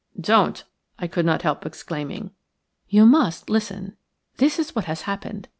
"Don't!" I could not help exclaiming. "You must listen. This is what has happened.